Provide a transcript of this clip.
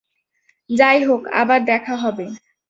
যাই হোক, আবার দেখা হবে।